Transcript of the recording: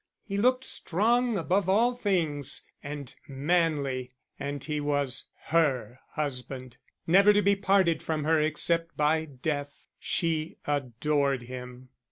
He looked strong above all things, and manly; and he was her husband, never to be parted from her except by death: she adored him.